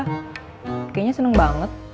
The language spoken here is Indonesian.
kayaknya seneng banget